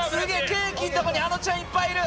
ケーキのとこにあのちゃんいっぱいいる！